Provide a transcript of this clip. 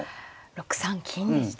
６三金でした。